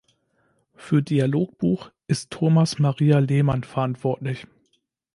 Für Dialogbuch ist Thomas Maria Lehmann verantwortlich.